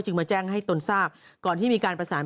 มาแจ้งให้ตนทราบก่อนที่มีการประสาน